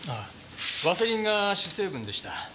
ワセリンが主成分でした。